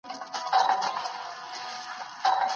لطفا اوږده ډوډۍ ماڼۍ ته وړاندي کړئ.